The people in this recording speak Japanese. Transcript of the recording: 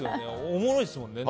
おもろいですもんね。